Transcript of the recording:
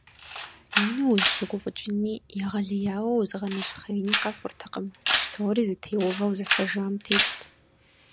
Ину узыщыгуфӏыкӏыни егъэлеяуэ узыгъэнэщхъеини къэхъуртэкъым, псори зытеувэу зэсэжам тетт.